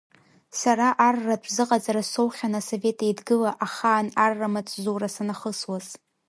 Сара арратә зыҟаҵара соухьан Асовет Еидгыла ахаан аррамаҵзура санахысуаз.